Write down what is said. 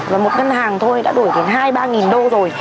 và một ngân hàng thôi đã đuổi đến hai ba đô rồi